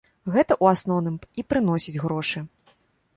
Гэта ў асноўным і прыносіць грошы.